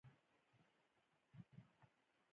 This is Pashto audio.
بامیان د افغان ماشومانو د لوبو موضوع ده.